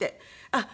あっ。